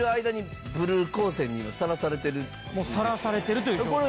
もうさらされてるという。